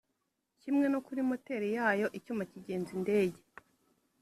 kimwe no kuri moteri yayo icyuma kigenza indege